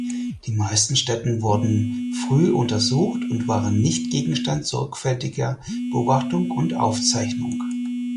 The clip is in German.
Die meisten Stätten wurden früh untersucht und waren nicht Gegenstand sorgfältiger Beobachtung und Aufzeichnung.